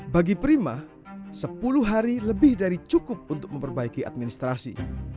bagi prima sepuluh hari lebih dari cukup untuk memperbaiki administrasi